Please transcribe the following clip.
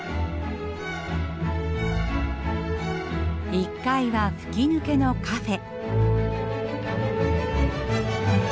１階は吹き抜けのカフェ。